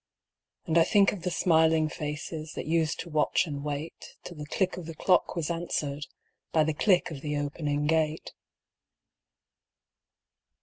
And I think of the smiling faces That used to watch and wait, Till the click of the clock was answered By the click of the opening gate.